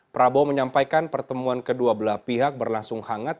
prabowo menyampaikan pertemuan kedua belah pihak berlangsung hangat